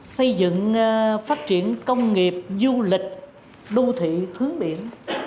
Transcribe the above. xây dựng phát triển công nghiệp du lịch đô thị hướng biển